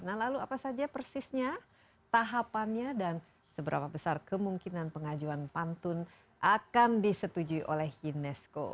nah lalu apa saja persisnya tahapannya dan seberapa besar kemungkinan pengajuan pantun akan disetujui oleh unesco